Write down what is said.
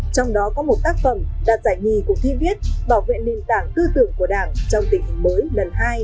trong đó có một tác phẩm đạt giải nhì của thi viết bảo vệ nền tảng tư tưởng của đảng trong tình hình mới lần hai